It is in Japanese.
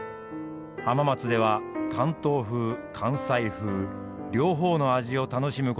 浜松では関東風関西風両方の味を楽しむことができるんです。